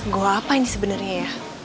goal apa ini sebenarnya ya